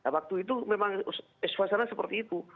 waktu itu memang suasana seperti itu